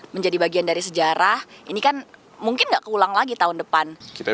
menjadi bagian dari sejarah ini kan mungkin nggak keulang lagi tahun depan kita